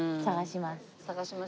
探します。